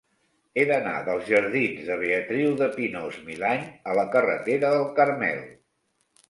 He d'anar dels jardins de Beatriu de Pinós-Milany a la carretera del Carmel.